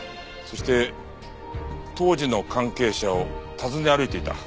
そして当時の関係者を訪ね歩いていた。